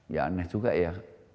ya aneh juga ya